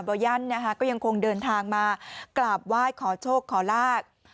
ยันนะคะก็ยังคงเดินทางมากราบไหว้ขอโชคขอลาบ